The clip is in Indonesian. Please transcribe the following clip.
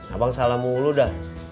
abang salah mulu dah